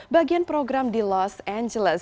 bagian program di los angeles